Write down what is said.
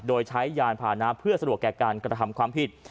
โดยใช้ยานผ่านนะเพื่อสะดวกแก่การกระทำความผิด